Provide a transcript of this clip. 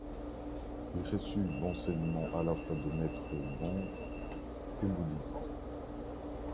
Il reçut l'enseignement à la fois de maîtres bön et bouddhistes.